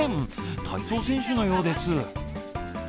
体操選手のようです。